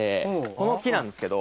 この木なんですけど。